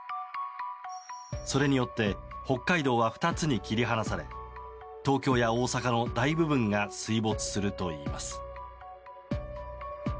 それによって北海道は２つに切り離され東京や大阪の大部分が水没するといいます。